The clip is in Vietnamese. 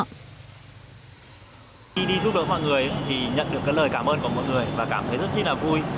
khi đi giúp đỡ mọi người thì nhận được cái lời cảm ơn của mọi người và cảm thấy rất là vui